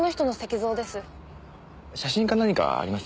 写真か何かあります？